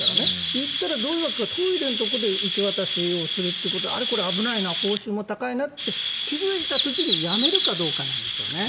行ったらどういうわけかトイレのところで受け渡しをするということはあれ、これ危ないな報酬も高いなと気付いた時にやめるかどうかなんですね。